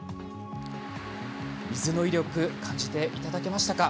水の威力感じていただけましたか？